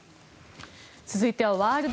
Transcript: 続いてはワールド！